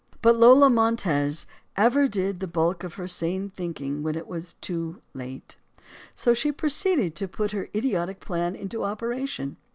But Lola Montez ever did the bulk of her sane thinking when it was too late. So she proceeded to put her idiotic plans into operation.